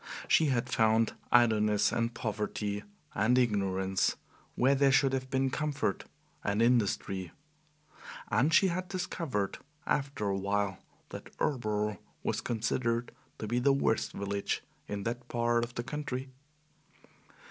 She had found idleness and poverty and ignorance where there should have been comfort and industry. And she had discovered, after a while, that Erleboro was considered to be the worst village in that part of the country.